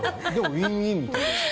ウィンウィンみたいですね。